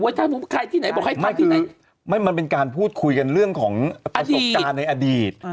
ถ้าสมมุติใครที่ไหนบอกให้พักที่ไหนไม่มันเป็นการพูดคุยกันเรื่องของประสบการณ์ในอดีต